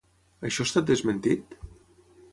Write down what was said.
Això ha estat desmentit?